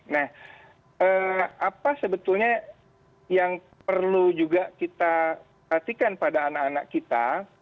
nah apa sebetulnya yang perlu juga kita perhatikan pada anak anak kita